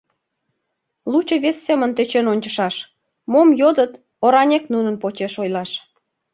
— Лучо вес семын тӧчен ончышаш: мом йодыт — оранек нунын почеш ойлаш.